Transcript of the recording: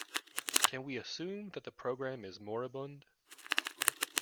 Can we assume that the program is moribund?